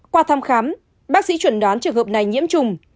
qua thăm khám bác sĩ chuẩn đoán trường hợp này nhiễm trùng